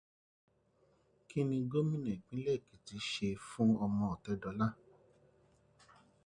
Kini Gómìnà ìpínlẹ̀ Èkìtì ṣe fún ọmọ Ọ̀tẹ́dọlá?